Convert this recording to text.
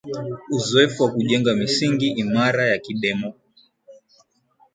uzoefu wa kujenga misingi imara ya kidemo